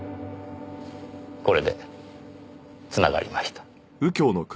これで繋がりました。